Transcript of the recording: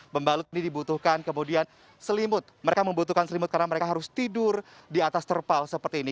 pembalut ini dibutuhkan kemudian selimut mereka membutuhkan selimut karena mereka harus tidur di atas terpal seperti ini